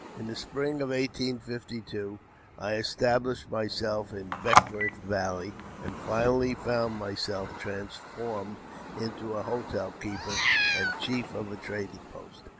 In the spring of 1852 I established myself in Beckwourth Valley, and finally found myself transformed into a hotel keeper and chief of a trading post.